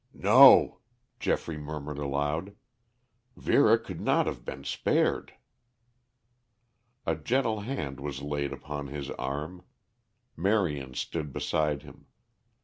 "No," Geoffrey murmured aloud; "Vera could not have been spared!" A gentle hand was laid upon his arm. Marion stood beside him.